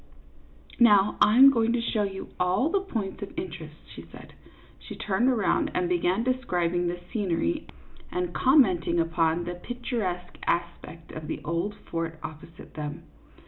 " Now I am going to show you all the points of interest," she said. She turned around and began describing the scenery and commenting upon the picturesque aspect of the old fort opposite them.